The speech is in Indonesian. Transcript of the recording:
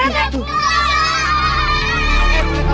buena kok kabur duluan